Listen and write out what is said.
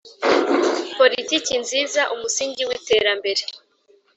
Politiki nziza umusingi w’iterambere